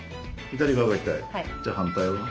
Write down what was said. じゃあ反対は？